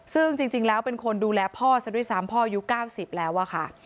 ซึ่งจริงแล้วเป็นคนดูแลพ่อซะด้วยซ้ำพ่ออายุ๙๐แล้วอะค่ะ